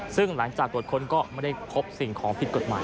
ซึ่งหลังจากตรวจค้นก็ไม่ได้พบสิ่งของผิดกฎหมาย